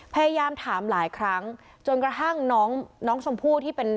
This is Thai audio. พยายามถามหลายครั้งจนกระทั่งน้องน้องชมพู่ที่เป็น